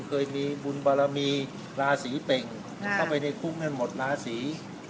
เคยมีบุญบารมีราศีเป่งเข้าไปในคุกนั้นหมดราศี